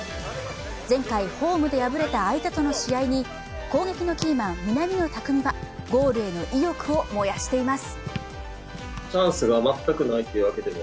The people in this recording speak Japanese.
前回、ホームで敗れた相手との試合に攻撃のキーマン、南野拓実はゴールへの意欲を燃やしています。